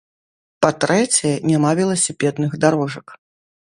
Па-трэцяе, няма веласіпедных дарожак.